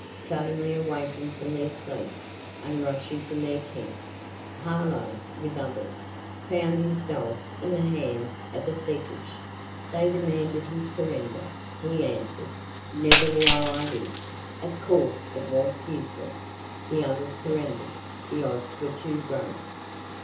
Suddenly awaken'd from their sleep, and rushing from their tents, Harlowe, with others, found himself in the hands of the secesh they demanded his surrender he answer'd, Never while I live. (Of course it was useless. The others surrender'd; the odds were too great.)